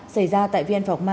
xảy ra tại vn phòng ma